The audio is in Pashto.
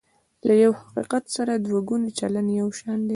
له یوه حقیقت سره دوه ګونی چلند یو شان دی.